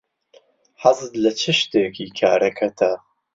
حەزت لە چ شتێکی کارەکەتە؟